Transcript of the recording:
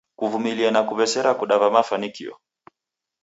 Kuvumlia na kuw'esera kudava mafanikio.